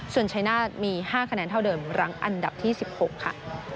ส่วนชัยนาธมี๕คะแนนเท่าเดิมรังอันดับที่๑๖ค่ะ